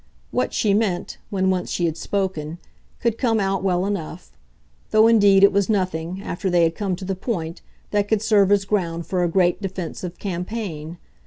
What she meant when once she had spoken could come out well enough; though indeed it was nothing, after they had come to the point, that could serve as ground for a great defensive campaign.